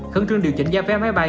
khẩn trương điều chỉnh giá vé máy bay